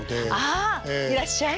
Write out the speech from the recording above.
あっいらっしゃい。